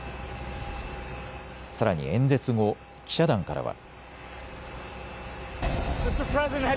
さらに演説後、記者団からは。